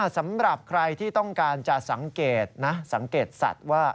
สำหรับใครที่ต้องการจะสังเกตนะสังเกตสัตว์ว่า